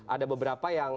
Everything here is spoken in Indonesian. ada beberapa yang